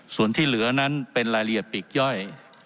ส่วนที่เหลือนั้นเป็นรายละเอียดปีกย่อย